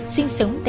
sinh sống ở hải hậu